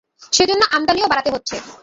সে জন্য আমদানিও বাড়াতে হচ্ছে।